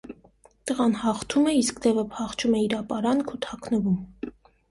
Տղան հաղթում է, իսկ դևը փախչում է իր ապարանք ու թաքնվում։